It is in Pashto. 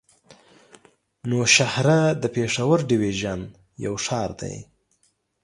نوشهره د پېښور ډويژن يو ښار دی.